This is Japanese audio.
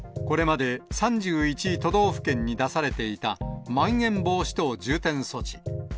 これまで３１都道府県に出されていたまん延防止等重点措置。